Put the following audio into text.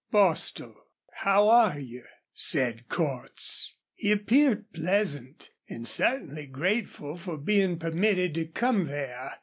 "Bostil, how are you?" said Cordts. He appeared pleasant, and certainly grateful for being permitted to come there.